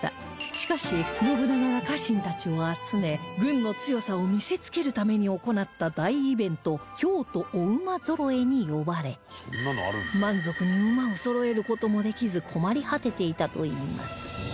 しかし信長が家臣たちを集め軍の強さを見せつけるために行った大イベント京都御馬揃えに呼ばれ満足に馬をそろえる事もできず困り果てていたといいます